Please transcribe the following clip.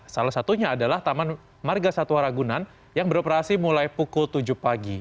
salah satunya adalah taman marga satwa ragunan yang beroperasi mulai pukul tujuh pagi